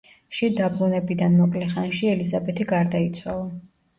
შინ დაბრუნებიდან მოკლე ხანში ელიზაბეთი გარდაიცვალა.